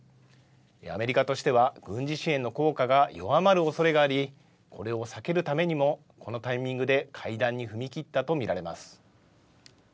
アメリカとしては、軍事支援の効果が弱まるおそれがあり、これを避けるためにも、このタイミングで会談に踏み切ったと見られます。